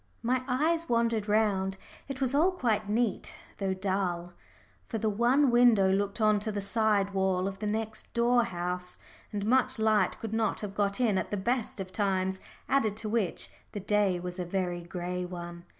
My eyes wandered round. It was all quite neat, though dull. For the one window looked on to the side wall of the next door house, and much light could not have got in at the best of times, added to which, the day was a very gray one.